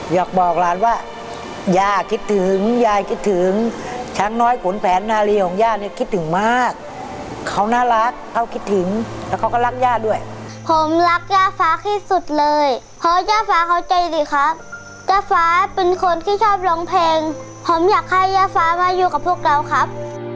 อยากบอกหลานว่าย่าคิดถึงยายคิดถึงช้างน้อยขุนแผนนาลีของย่าเนี่ยคิดถึงมากเขาน่ารักเขาคิดถึงแล้วเขาก็รักย่าด้วยผมรักย่าฟ้าที่สุดเลยเพราะย่าฟ้าเขาใจดีครับย่าฟ้าเป็นคนที่ชอบร้องเพลงผมอยากให้ย่าฟ้ามาอยู่กับพวกเราครับ